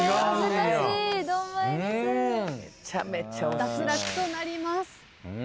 脱落となります。